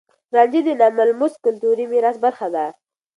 رانجه د ناملموس کلتوري ميراث برخه ده.